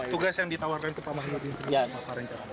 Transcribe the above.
tugas yang ditawarkan kepada pak mahyudin